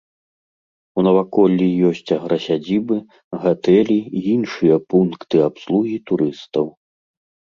У наваколлі ёсць аграсядзібы, гатэлі і іншыя пункты абслугі турыстаў.